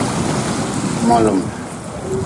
Molm.